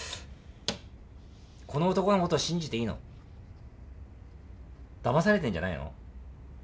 この男の事信じていいの？だまされてるんじゃないの？